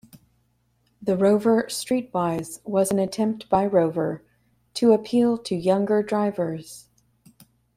The Rover Streetwise was an attempt by Rover to appeal to younger drivers.